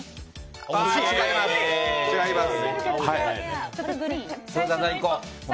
違います。